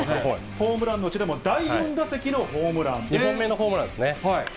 ホームランのうちでも第４打２本目のホームランですね。